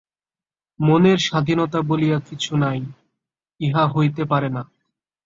মনের স্বাধীনতা বলিয়া কিছু নাই, ইহা হইতে পারে না।